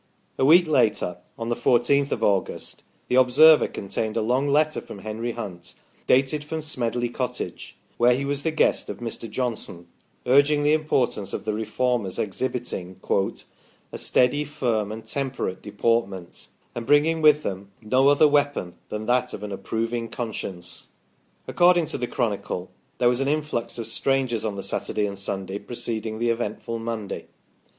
A week later, on the 14th of August, the " Observer" contained a long letter from Henry Hunt, dated from Smedley Cottage, where he was the guest of Mr. Johnson, urging the importance of the Reformers exhibiting "a steady, firm, and temperate deportment," and bringing with them "no other weapon than that of an approving conscience". According to the " Chronicle" there was an influx of strangers on the Saturday and Sunday preceding the eventful Monday.